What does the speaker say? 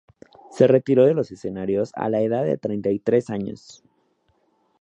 Se retiró de los escenarios a la edad de treinta y tres años.